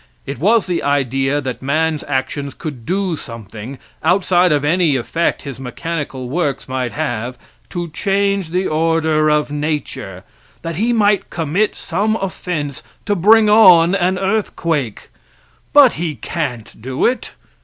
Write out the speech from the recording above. It was the idea that man's actions could do something, outside of any effect his mechanical works might have, to change the order of nature; that he might commit some offense to bring on an earthquake, but he can't do it.